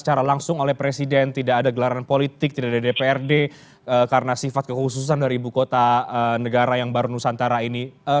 secara langsung oleh presiden tidak ada gelaran politik tidak ada dprd karena sifat kehususan dari ibu kota negara yang baru nusantara ini